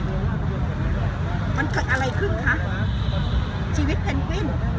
มันเกิดอะไรขึ้นคะชีวิตเพนกวิน